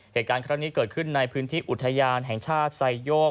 เหตุการณ์ครั้งนี้เกิดขึ้นในพื้นที่อุทยานแห่งชาติไซโยก